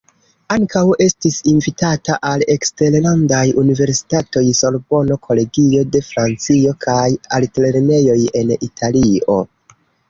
Ankaŭ estis invitata al eksterlandaj universitatoj: Sorbono, Kolegio de Francio kaj altlernejoj en Italio.